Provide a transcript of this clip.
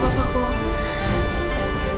kamu gak apa apa kan